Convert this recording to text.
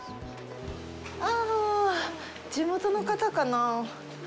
ああ、地元の方かな。